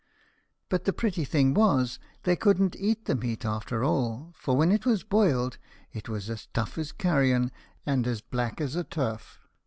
But the pretty thing was, they couldn't eat the meat after all, for when it was boiled it was as tough as carrion, and as black as a turf.